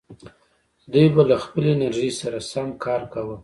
دوی به له خپلې انرژۍ سره سم کار کاوه.